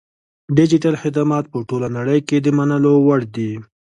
ډیجیټل خدمات په ټوله نړۍ کې د منلو وړ دي.